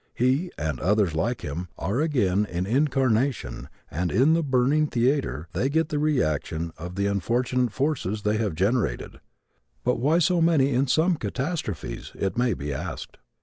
He, and others like him, are again in incarnation and in the burning theater they get the reaction of the unfortunate forces they have generated. But why so many in some catastrophes? it may be asked.